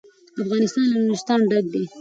افغانستان له نورستان ډک دی.